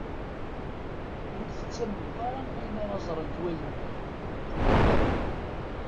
Ur tettamneḍ ara ayen ara ẓrent wallen-im.